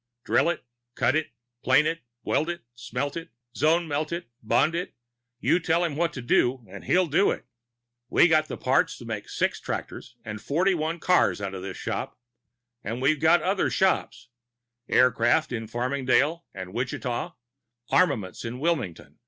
Drill it, cut it, plane it, weld it, smelt it, zone melt it, bond it you tell him what to do and he'll do it. "We got the parts to make six tractors and forty one cars out of this shop. And we've got other shops aircraft in Farmingdale and Wichita, armaments in Wilmington.